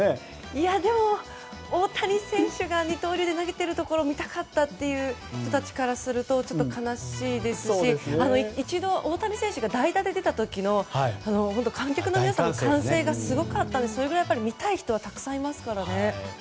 でも、大谷選手が二刀流で投げるところを見たかった人からすると悲しいですし、一度大谷選手が代打で出た時の観客の皆さんの歓声がすごかったのでそれぐらい見たい人はたくさんいますからね。